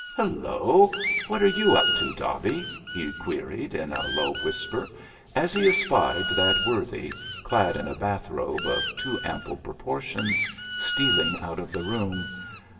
"Hullo, what are you up to, Dobby?" he queried, in a low whisper, as he espied that worthy, clad in a bath robe of too ample proportions, stealing out of the room.